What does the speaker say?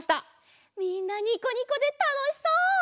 みんなにこにこでたのしそう！